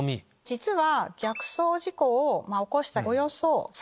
実は。